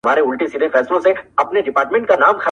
د لوی ځنګله پر څنډه،